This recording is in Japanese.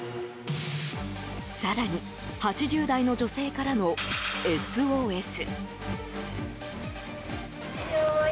更に８０代の女性からのＳＯＳ。